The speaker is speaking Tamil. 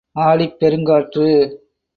ஆடிப் பெருங் காற்று.